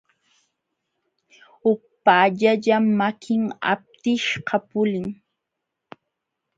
Upaallallam makin aptishqa pulin.